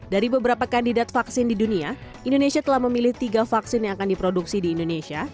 dari beberapa kandidat vaksin di dunia indonesia telah memilih tiga vaksin yang akan diproduksi di indonesia